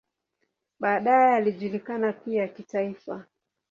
Baadaye alijulikana pia kitaifa.